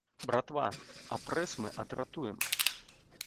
Братва, а прэс мы адратуем!